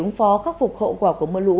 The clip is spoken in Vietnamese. ứng phó khắc phục hậu quả của mưa lũ